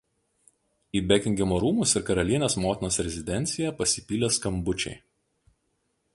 Į Bekingemo rūmus ir karalienės motinos rezidenciją pasipylė skambučiai.